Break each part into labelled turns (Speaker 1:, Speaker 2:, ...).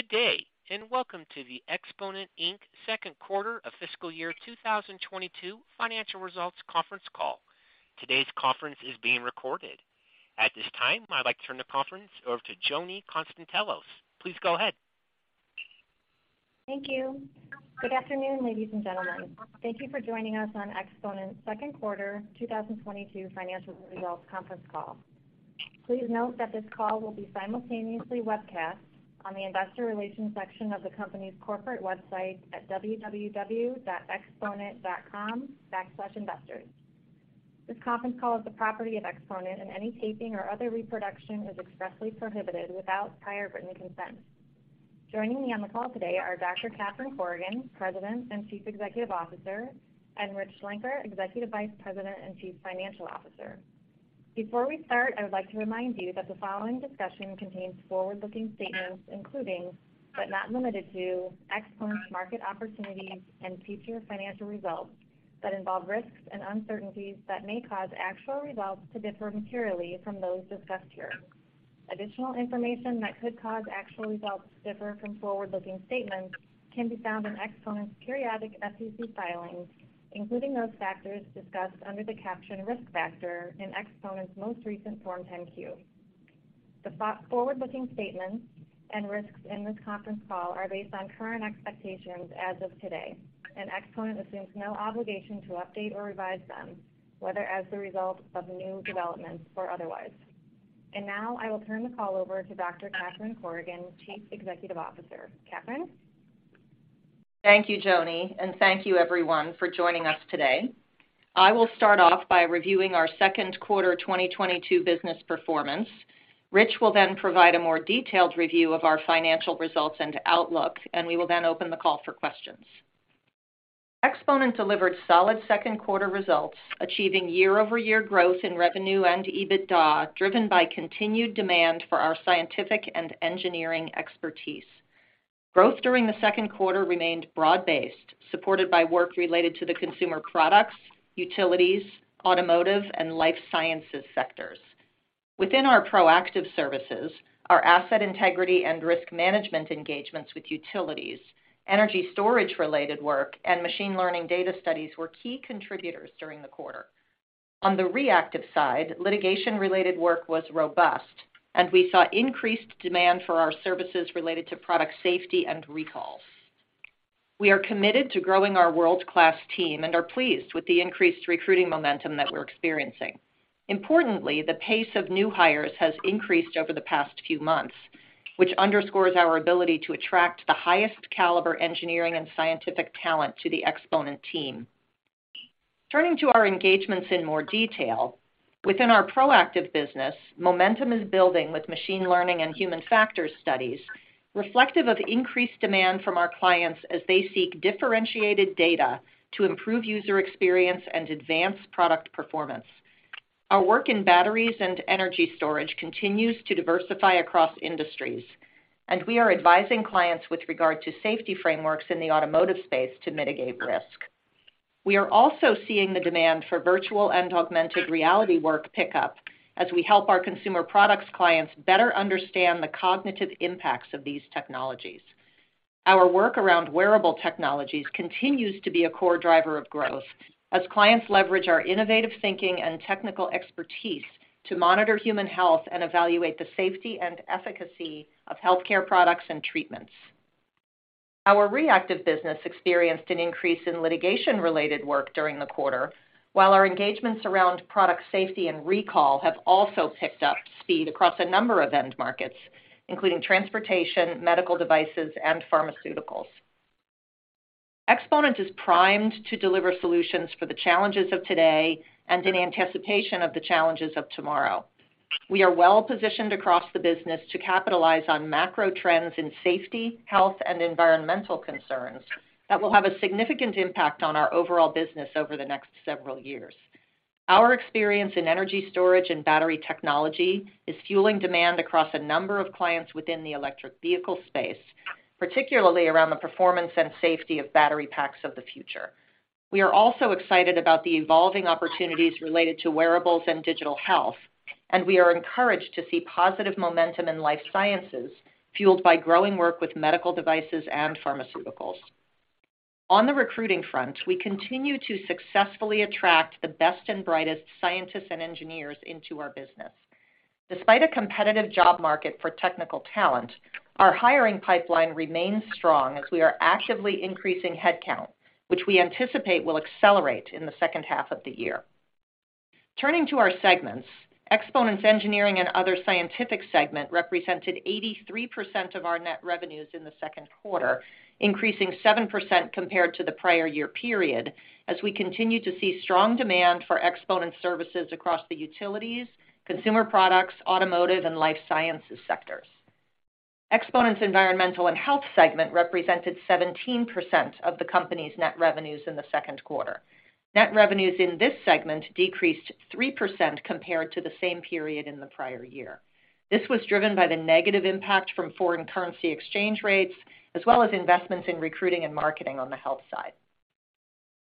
Speaker 1: Good day, and welcome to the Exponent, Inc. Second Quarter of Fiscal Year 2022 Financial Results Conference Call. Today's conference is being recorded. At this time, I'd like to turn the conference over to Joni Konstantelos. Please go ahead.
Speaker 2: Thank you. Good afternoon, ladies and gentlemen. Thank you for joining us on Exponent's Second Quarter 2022 Financial Results Conference Call. Please note that this call will be simultaneously webcast on the investor relations section of the company's corporate website at www.exponent.com/investors. This conference call is the property of Exponent, and any taping or other reproduction is expressly prohibited without prior written consent. Joining me on the call today are Dr. Catherine Corrigan, President and Chief Executive Officer, and Rich Schlenker, Executive Vice President and Chief Financial Officer. Before we start, I would like to remind you that the following discussion contains forward-looking statements, including, but not limited to, Exponent's market opportunities and future financial results that involve risks and uncertainties that may cause actual results to differ materially from those discussed here. Additional information that could cause actual results to differ from forward-looking statements can be found in Exponent's periodic SEC filings, including those factors discussed under the caption Risk Factor in Exponent's most recent Form 10-Q. The forward-looking statements and risks in this conference call are based on current expectations as of today, and Exponent assumes no obligation to update or revise them, whether as a result of new developments or otherwise. Now, I will turn the call over to Dr. Catherine Corrigan, Chief Executive Officer. Catherine?
Speaker 3: Thank you, Joni, and thank you everyone for joining us today. I will start off by reviewing our second quarter 2022 business performance. Rich will then provide a more detailed review of our financial results and outlook, and we will then open the call for questions. Exponent delivered solid second quarter results, achieving year-over-year growth in revenue and EBITDA, driven by continued demand for our scientific and engineering expertise. Growth during the second quarter remained broad-based, supported by work related to the consumer products, utilities, automotive and life sciences sectors. Within our proactive services, our asset integrity and risk management engagements with utilities, energy storage related work, and machine learning data studies were key contributors during the quarter. On the reactive side, litigation related work was robust and we saw increased demand for our services related to product safety and recalls. We are committed to growing our world-class team and are pleased with the increased recruiting momentum that we're experiencing. Importantly, the pace of new hires has increased over the past few months, which underscores our ability to attract the highest caliber engineering and scientific talent to the Exponent team. Turning to our engagements in more detail, within our proactive business, momentum is building with machine learning and human factors studies reflective of increased demand from our clients as they seek differentiated data to improve user experience and advance product performance. Our work in batteries and energy storage continues to diversify across industries, and we are advising clients with regard to safety frameworks in the automotive space to mitigate risk. We are also seeing the demand for virtual and augmented reality work pickup as we help our consumer products clients better understand the cognitive impacts of these technologies. Our work around wearable technologies continues to be a core driver of growth as clients leverage our innovative thinking and technical expertise to monitor human health and evaluate the safety and efficacy of healthcare products and treatments. Our reactive business experienced an increase in litigation related work during the quarter, while our engagements around product safety and recall have also picked up speed across a number of end markets, including transportation, medical devices, and pharmaceuticals. Exponent is primed to deliver solutions for the challenges of today and in anticipation of the challenges of tomorrow. We are well positioned across the business to capitalize on macro trends in safety, health, and environmental concerns that will have a significant impact on our overall business over the next several years. Our experience in energy storage and battery technology is fueling demand across a number of clients within the electric vehicle space, particularly around the performance and safety of battery packs of the future. We are also excited about the evolving opportunities related to wearables and digital health, and we are encouraged to see positive momentum in life sciences fueled by growing work with medical devices and pharmaceuticals. On the recruiting front, we continue to successfully attract the best and brightest scientists and engineers into our business. Despite a competitive job market for technical talent, our hiring pipeline remains strong as we are actively increasing headcount, which we anticipate will accelerate in the second half of the year. Turning to our segments, Exponent's engineering and other scientific segment represented 83% of our net revenues in the second quarter, increasing 7% compared to the prior year period as we continue to see strong demand for Exponent services across the utilities, consumer products, automotive and life sciences sectors. Exponent's environmental and health segment represented 17% of the company's net revenues in the second quarter. Net revenues in this segment decreased 3% compared to the same period in the prior year. This was driven by the negative impact from foreign currency exchange rates as well as investments in recruiting and marketing on the health side.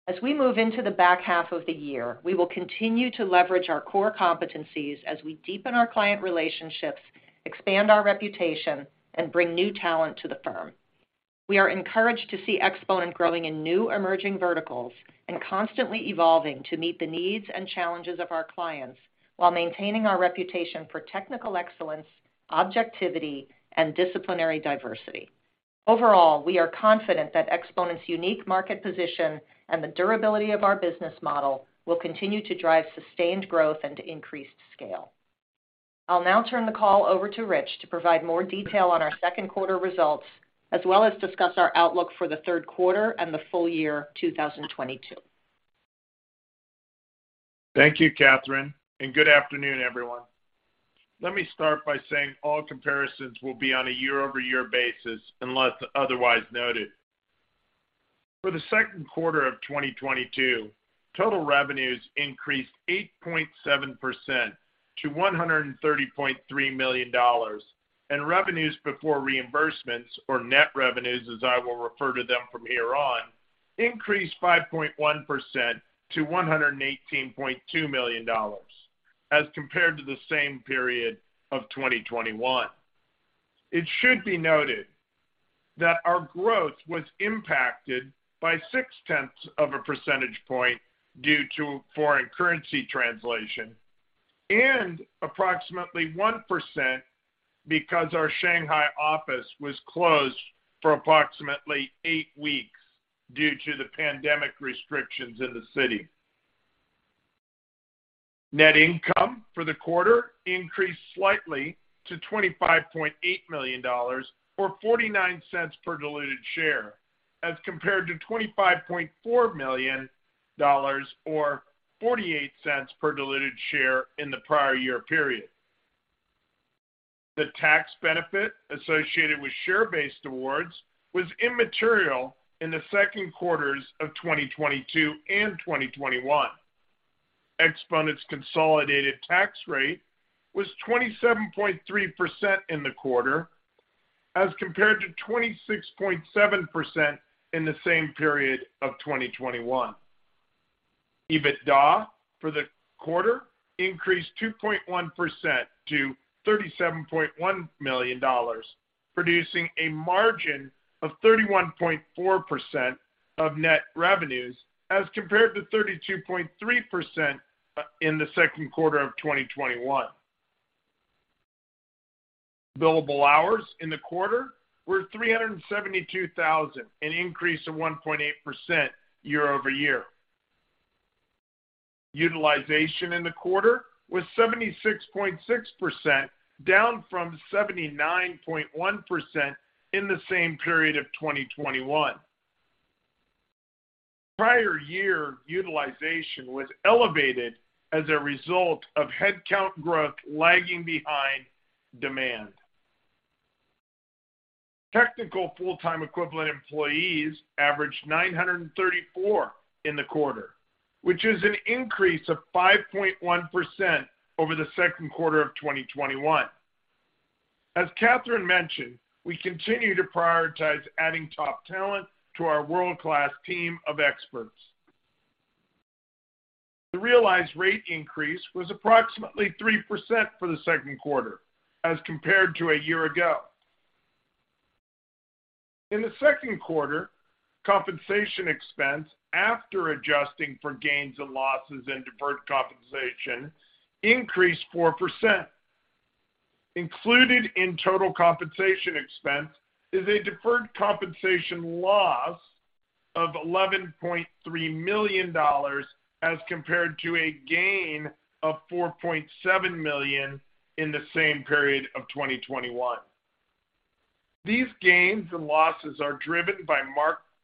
Speaker 3: As we move into the back half of the year, we will continue to leverage our core competencies as we deepen our client relationships, expand our reputation, and bring new talent to the firm. We are encouraged to see Exponent growing in new emerging verticals and constantly evolving to meet the needs and challenges of our clients while maintaining our reputation for technical excellence, objectivity, and disciplinary diversity. Overall, we are confident that Exponent's unique market position and the durability of our business model will continue to drive sustained growth and increased scale. I'll now turn the call over to Rich to provide more detail on our second quarter results, as well as discuss our outlook for the third quarter and the full year 2022.
Speaker 4: Thank you, Catherine, and good afternoon, everyone. Let me start by saying all comparisons will be on a year-over-year basis unless otherwise noted. For the second quarter of 2022, total revenues increased 8.7% to $130.3 million, and revenues before reimbursements, or net revenues as I will refer to them from here on, increased 5.1% to $118.2 million as compared to the same period of 2021. It should be noted that our growth was impacted by 0.6 of a percentage point due to foreign currency translation and approximately 1% because our Shanghai office was closed for approximately eight weeks due to the pandemic restrictions in the city. Net income for the quarter increased slightly to $25.8 million or $0.49 per diluted share as compared to $25.4 million or $0.48 per diluted share in the prior year period. The tax benefit associated with share-based awards was immaterial in the second quarters of 2022 and 2021. Exponent's consolidated tax rate was 27.3% in the quarter as compared to 26.7% in the same period of 2021. EBITDA for the quarter increased 2.1% to $37.1 million, producing a margin of 31.4% of net revenues as compared to 32.3% in the second quarter of 2021. Billable hours in the quarter were 372,000, an increase of 1.8% year-over-year. Utilization in the quarter was 76.6%, down from 79.1% in the same period of 2021. Prior year utilization was elevated as a result of headcount growth lagging behind demand. Technical full-time equivalent employees averaged 934 in the quarter, which is an increase of 5.1% over the second quarter of 2021. As Catherine mentioned, we continue to prioritize adding top talent to our world-class team of experts. The realized rate increase was approximately 3% for the second quarter as compared to a year ago. In the second quarter, compensation expense, after adjusting for gains and losses and deferred compensation, increased 4%. Included in total compensation expense is a deferred compensation loss of $11.3 million as compared to a gain of $4.7 million in the same period of 2021. These gains and losses are driven by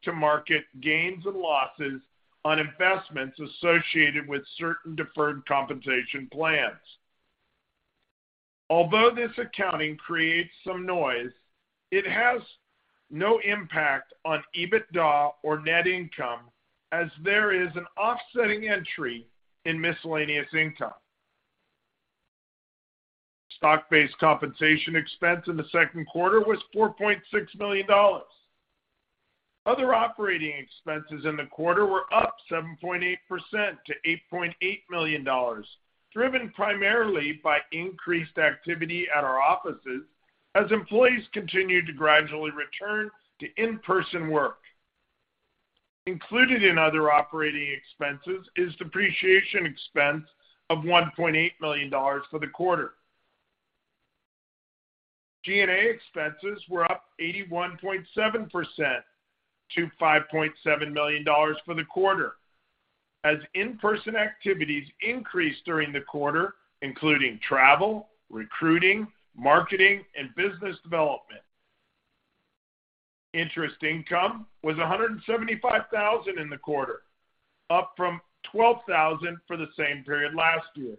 Speaker 4: mark-to-market gains and losses on investments associated with certain deferred compensation plans. Although this accounting creates some noise, it has no impact on EBITDA or net income as there is an offsetting entry in miscellaneous income. Stock-based compensation expense in the second quarter was $4.6 million. Other operating expenses in the quarter were up 7.8% to $8.8 million, driven primarily by increased activity at our offices as employees continued to gradually return to in-person work. Included in other operating expenses is depreciation expense of $1.8 million for the quarter. G&A expenses were up 81.7% to $5.7 million for the quarter as in-person activities increased during the quarter, including travel, recruiting, marketing, and business development. Interest income was $175,000 in the quarter, up from $12,000 for the same period last year.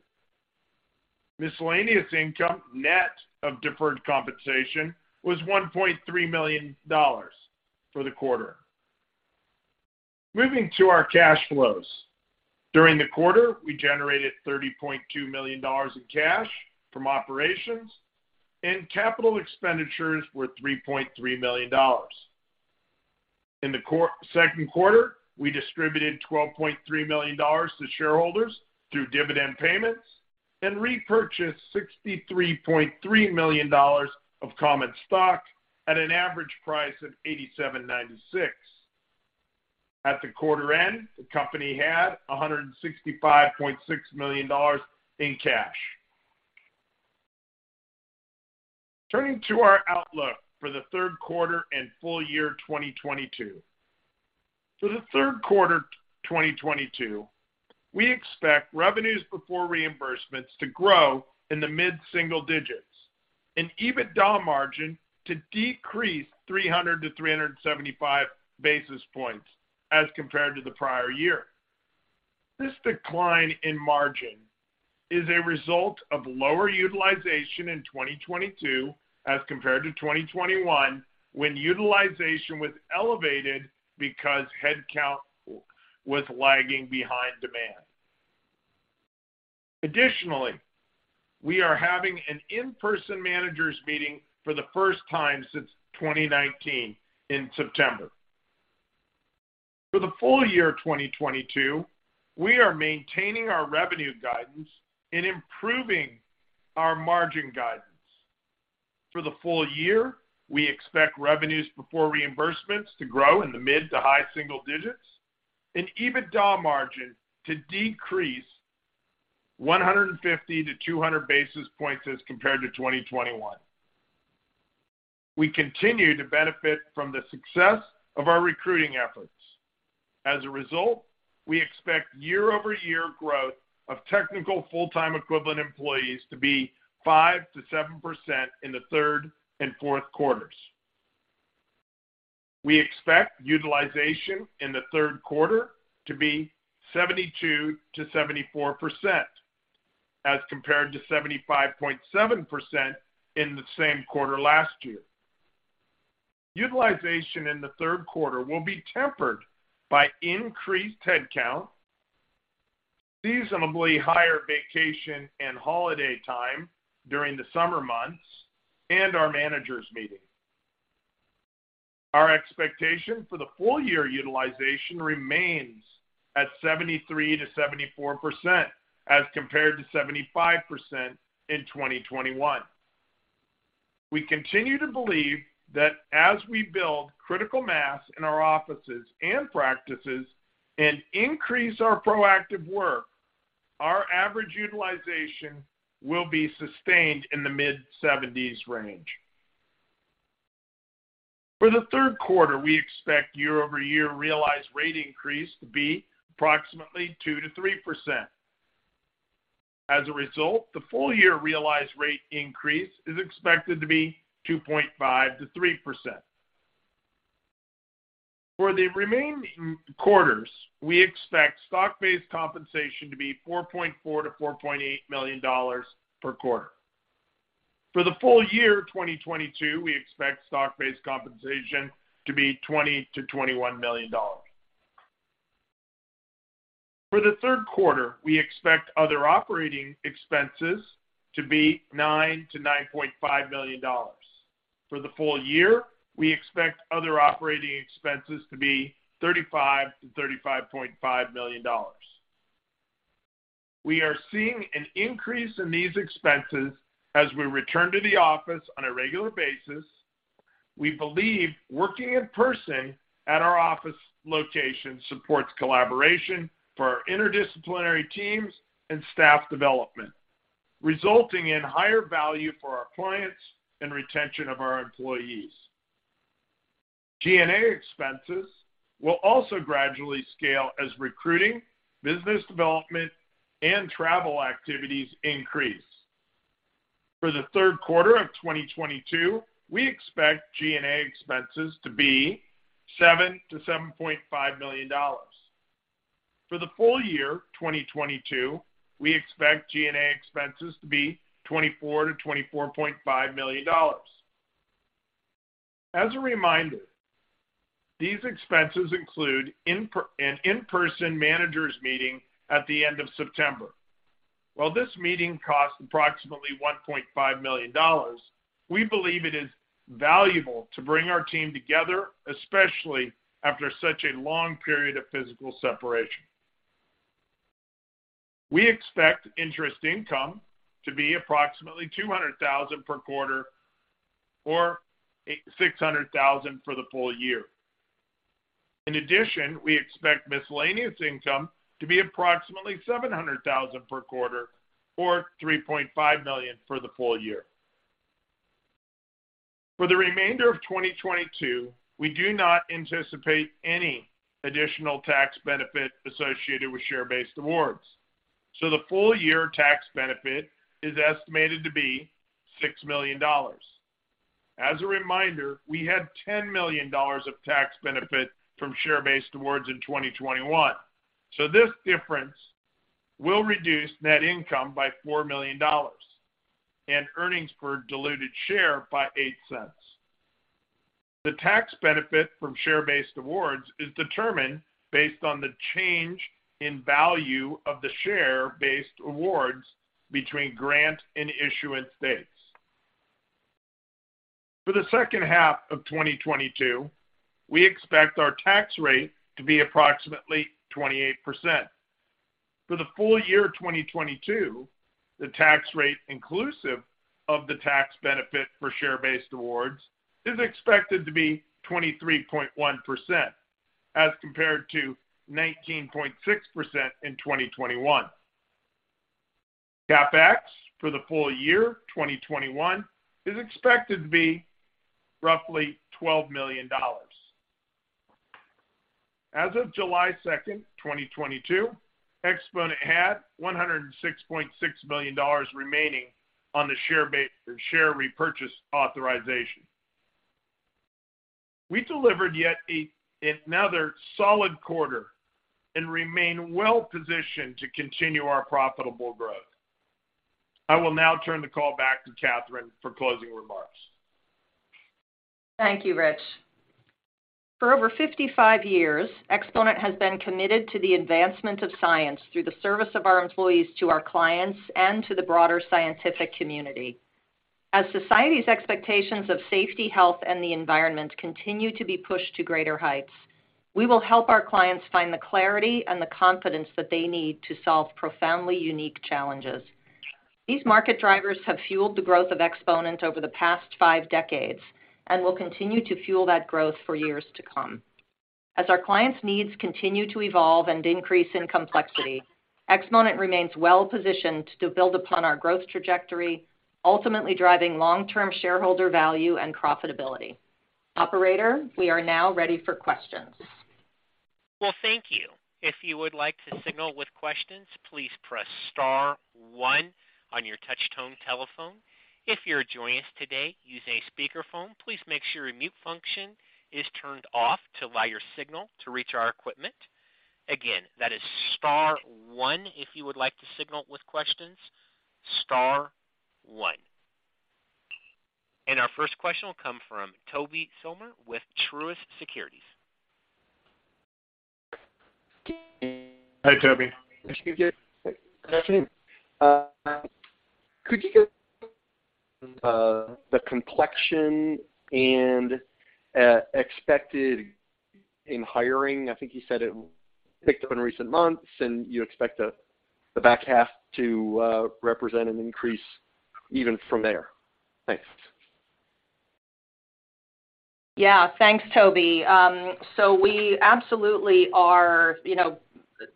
Speaker 4: Miscellaneous income, net of deferred compensation, was $1.3 million for the quarter. Moving to our cash flows. During the quarter, we generated $30.2 million in cash from operations, and capital expenditures were $3.3 million. In the second quarter, we distributed $12.3 million to shareholders through dividend payments and repurchased $63.3 million of common stock at an average price of $87.96. At the quarter end, the company had $165.6 million in cash. Turning to our outlook for the third quarter and full year 2022. For the third quarter 2022, we expect revenues before reimbursements to grow in the mid-single digits and EBITDA margin to decrease 300-375 basis points as compared to the prior year. This decline in margin is a result of lower utilization in 2022 as compared to 2021, when utilization was elevated because headcount was lagging behind demand. Additionally, we are having an in-person managers meeting for the first time since 2019 in September. For the full year of 2022, we are maintaining our revenue guidance and improving our margin guidance. For the full year, we expect revenues before reimbursements to grow in the mid to high single digits and EBITDA margin to decrease 150-200 basis points as compared to 2021. We continue to benefit from the success of our recruiting efforts. As a result, we expect year-over-year growth of technical full-time equivalent employees to be 5%-7% in the third and fourth quarters. We expect utilization in the third quarter to be 72%-74% as compared to 75.7% in the same quarter last year. Utilization in the third quarter will be tempered by increased headcount, seasonally higher vacation and holiday time during the summer months, and our managers meeting. Our expectation for the full year utilization remains at 73%-74% as compared to 75% in 2021. We continue to believe that as we build critical mass in our offices and practices and increase our proactive work, our average utilization will be sustained in the mid-seventies range. For the third quarter, we expect year-over-year realized rate increase to be approximately 2%-3%. As a result, the full year realized rate increase is expected to be 2.5%-3%. For the remaining quarters, we expect stock-based compensation to be $4.4 million-$4.8 million per quarter. For the full year 2022, we expect stock-based compensation to be $20 million-$21 million. For the third quarter, we expect other operating expenses to be $9 million-$9.5 million. For the full year, we expect other operating expenses to be $35 million-$35.5 million. We are seeing an increase in these expenses as we return to the office on a regular basis. We believe working in person at our office location supports collaboration for our interdisciplinary teams and staff development, resulting in higher value for our clients and retention of our employees. G&A expenses will also gradually scale as recruiting, business development, and travel activities increase. For the third quarter of 2022, we expect G&A expenses to be $7 million-$7.5 million. For the full year 2022, we expect G&A expenses to be $24 million-$24.5 million. As a reminder, these expenses include an in-person managers meeting at the end of September. While this meeting costs approximately $1.5 million, we believe it is valuable to bring our team together, especially after such a long period of physical separation. We expect interest income to be approximately $200,000 per quarter or $600,000 for the full year. In addition, we expect miscellaneous income to be approximately $700,000 per quarter or $3.5 million for the full year. For the remainder of 2022, we do not anticipate any additional tax benefit associated with share-based awards, so the full year tax benefit is estimated to be $6 million. As a reminder, we had $10 million of tax benefit from share-based awards in 2021, so this difference will reduce net income by $4 million and earnings per diluted share by $0.08. The tax benefit from share-based awards is determined based on the change in value of the share-based awards between grant and issuance dates. For the second half of 2022, we expect our tax rate to be approximately 28%. For the full year 2022, the tax rate inclusive of the tax benefit for share-based awards is expected to be 23.1% as compared to 19.6% in 2021. CapEx for the full year 2021 is expected to be roughly $12 million. As of July 2nd, 2022, Exponent had $106.6 million remaining on the share repurchase authorization. We delivered yet another solid quarter and remain well positioned to continue our profitable growth. I will now turn the call back to Catherine for closing remarks.
Speaker 3: Thank you, Rich. For over 55 years, Exponent has been committed to the advancement of science through the service of our employees to our clients and to the broader scientific community. As society's expectations of safety, health, and the environment continue to be pushed to greater heights, we will help our clients find the clarity and the confidence that they need to solve profoundly unique challenges. These market drivers have fueled the growth of Exponent over the past five decades and will continue to fuel that growth for years to come. As our clients' needs continue to evolve and increase in complexity, Exponent remains well-positioned to build upon our growth trajectory, ultimately driving long-term shareholder value and profitability. Operator, we are now ready for questions.
Speaker 1: Well, thank you. If you would like to signal with questions, please press star one on your touch-tone telephone. If you're joining us today using a speakerphone, please make sure your mute function is turned off to allow your signal to reach our equipment. Again, that is star one if you would like to signal with questions, star one. Our first question will come from Tobey Sommer with Truist Securities.
Speaker 4: Hi, Tobey.
Speaker 5: Good afternoon. Could you give the complexion and expectations in hiring? I think you said it picked up in recent months, and you expect the back half to represent an increase even from there. Thanks.
Speaker 3: Yeah. Thanks, Tobey. We absolutely are, you know,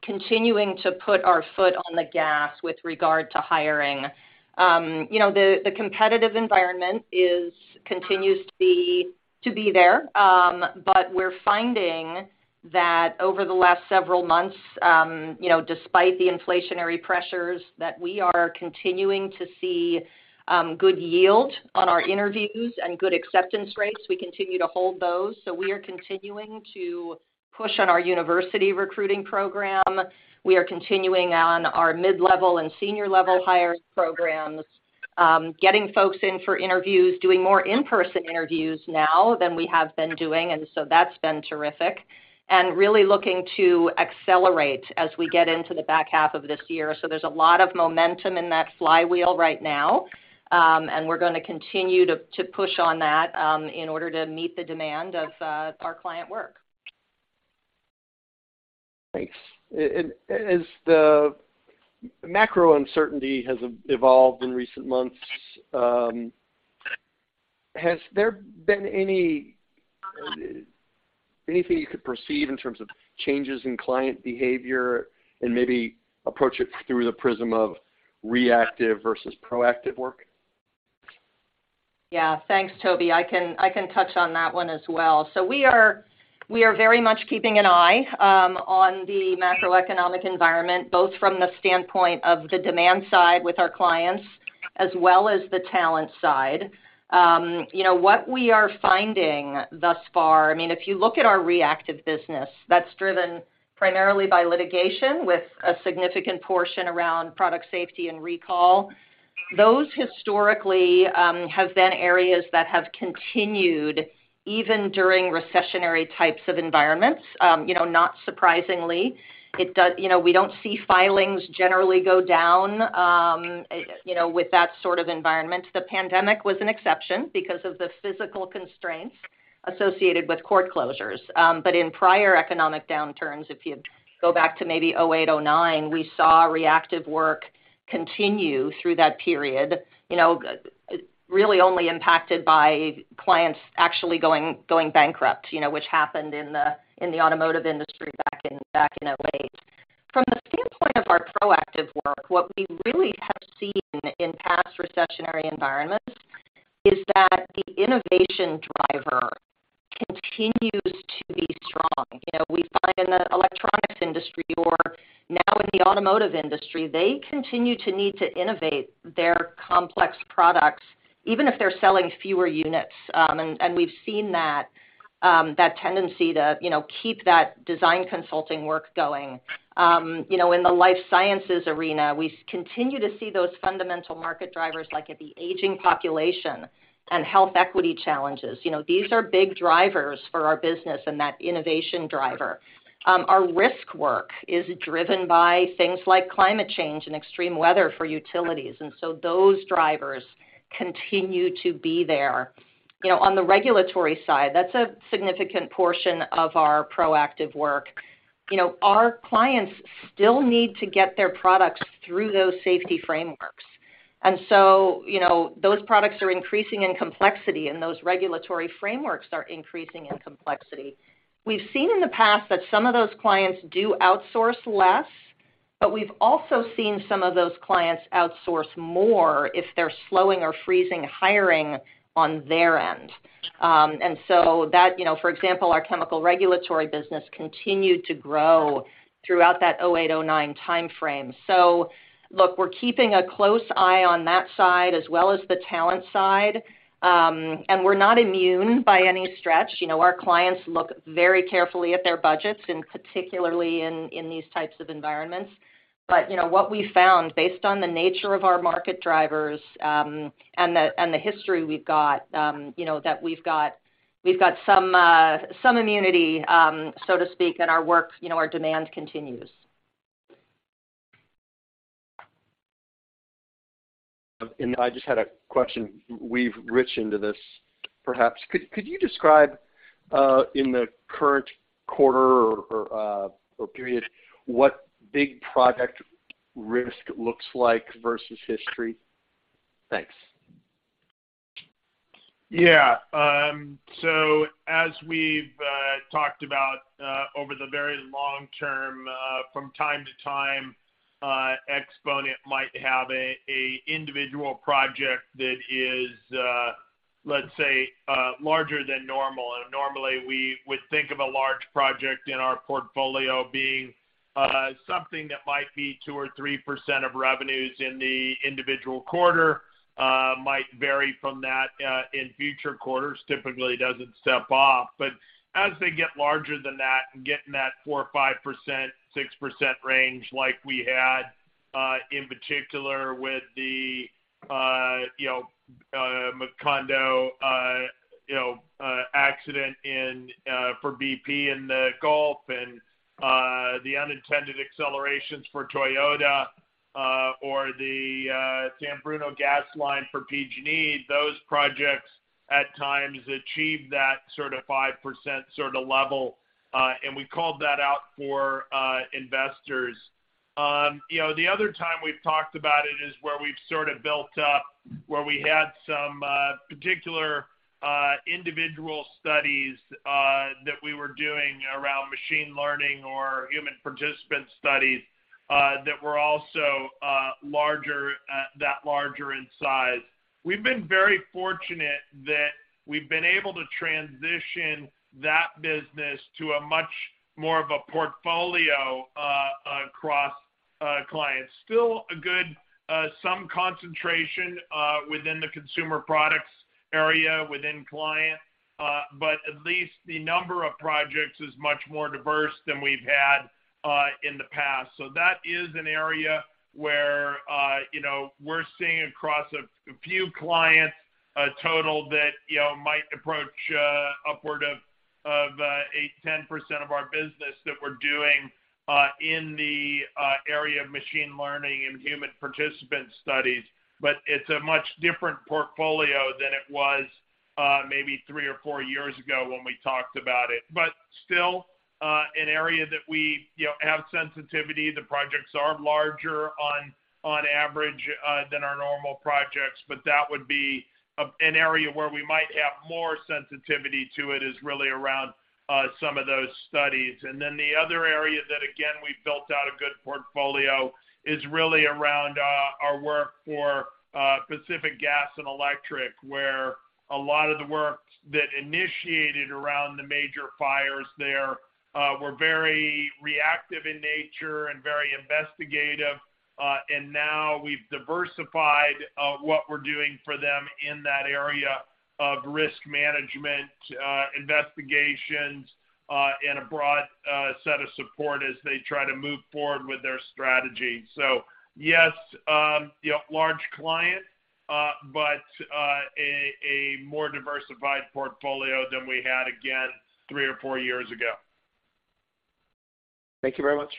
Speaker 3: continuing to put our foot on the gas with regard to hiring. You know, the competitive environment continues to be there. We're finding that over the last several months, you know, despite the inflationary pressures, that we are continuing to see good yield on our interviews and good acceptance rates. We continue to hold those. We are continuing to push on our university recruiting program. We are continuing on our mid-level and senior level hires programs, getting folks in for interviews, doing more in-person interviews now than we have been doing, and so that's been terrific. Really looking to accelerate as we get into the back half of this year. There's a lot of momentum in that flywheel right now, and we're gonna continue to push on that, in order to meet the demand of our client work.
Speaker 5: Thanks. As the macro uncertainty has evolved in recent months, has there been any, anything you could perceive in terms of changes in client behavior and maybe approach it through the prism of reactive versus proactive work?
Speaker 3: Yeah. Thanks, Tobey. I can touch on that one as well. We are very much keeping an eye on the macroeconomic environment, both from the standpoint of the demand side with our clients as well as the talent side. You know, what we are finding thus far, I mean, if you look at our reactive business, that's driven primarily by litigation with a significant portion around product safety and recall. Those historically have been areas that have continued even during recessionary types of environments, you know, not surprisingly. You know, we don't see filings generally go down with that sort of environment. The pandemic was an exception because of the physical constraints associated with court closures. In prior economic downturns, if you go back to maybe 2008, 2009, we saw reactive work continue through that period. Really only impacted by clients actually going bankrupt, which happened in the automotive industry back in 2008. From the standpoint of our proactive work, what we really have seen in past recessionary environments is that the innovation driver continues to be strong. We find in the electronics industry or now in the automotive industry, they continue to need to innovate their complex products even if they're selling fewer units. We've seen that tendency to keep that design consulting work going. In the life sciences arena, we continue to see those fundamental market drivers like the aging population and health equity challenges. You know, these are big drivers for our business and that innovation driver. Our risk work is driven by things like climate change and extreme weather for utilities, and so those drivers continue to be there. You know, on the regulatory side, that's a significant portion of our proactive work. You know, our clients still need to get their products through those safety frameworks. You know, those products are increasing in complexity, and those regulatory frameworks are increasing in complexity. We've seen in the past that some of those clients do outsource less, but we've also seen some of those clients outsource more if they're slowing or freezing hiring on their end. That, you know, for example, our chemical regulatory business continued to grow throughout that 2008, 2009 timeframe. Look, we're keeping a close eye on that side as well as the talent side. We're not immune by any stretch. You know, our clients look very carefully at their budgets, and particularly in these types of environments. You know, what we found based on the nature of our market drivers, and the history we've got, you know, we've got some immunity, so to speak, and our work, you know, our demand continues.
Speaker 5: I just had a question. We've reached into this, perhaps. Could you describe in the current quarter or period what big project risk looks like versus history? Thanks.
Speaker 4: Yeah. As we've talked about over the very long term, from time to time, Exponent might have an individual project that is, let's say, larger than normal. Normally, we would think of a large project in our portfolio being something that might be 2% or 3% of revenues in the individual quarter, might vary from that in future quarters. Typically, it doesn't step off. As they get larger than that and get in that 4% or 5%, 6% range, like we had in particular with the, you know, Macondo, you know, accident in for BP in the Gulf and the unintended accelerations for Toyota or the San Bruno gas line for PG&E, those projects at times achieve that sort of 5% sorta level. We called that out for investors. You know, the other time we've talked about it is where we've sorta built up where we had some particular individual studies that we were doing around machine learning or human participant studies that were also larger in size. We've been very fortunate that we've been able to transition that business to a much more of a portfolio across clients. Still a good some concentration within the consumer products area within clients, but at least the number of projects is much more diverse than we've had in the past. That is an area where, you know, we're seeing across a few clients, a total that, you know, might approach upward of 8%-10% of our business that we're doing in the area of machine learning and human participant studies. It's a much different portfolio than it was maybe three or four years ago when we talked about it. Still, an area that we, you know, have sensitivity. The projects are larger on average than our normal projects, but that would be an area where we might have more sensitivity to it is really around some of those studies. The other area that again we built out a good portfolio is really around our work for Pacific Gas and Electric, where a lot of the work that initiated around the major fires there were very reactive in nature and very investigative. Now we've diversified what we're doing for them in that area of risk management, investigations, and a broad set of support as they try to move forward with their strategy. Yes, large client, but a more diversified portfolio than we had again three or four years ago.
Speaker 5: Thank you very much.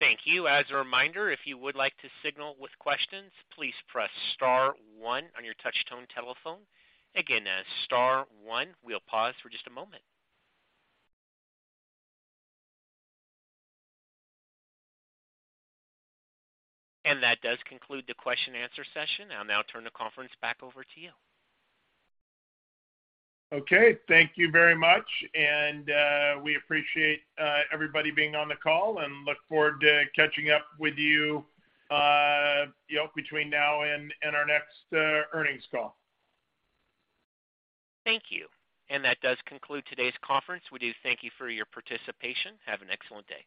Speaker 1: Thank you. As a reminder, if you would like to signal with questions, please press star one on your touch tone telephone. Again, that's star one. We'll pause for just a moment. That does conclude the question and answer session. I'll now turn the conference back over to you.
Speaker 4: Okay. Thank you very much, and we appreciate everybody being on the call and look forward to catching up with you know, between now and our next earnings call.
Speaker 1: Thank you. That does conclude today's conference. We do thank you for your participation. Have an excellent day. 1324453